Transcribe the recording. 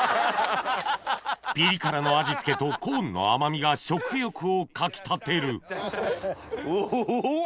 ピリ辛の味付けとコーンの甘みが食欲をかき立てるうわ